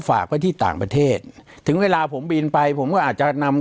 ฝากไว้ที่ต่างประเทศถึงเวลาผมบินไปผมก็อาจจะนำ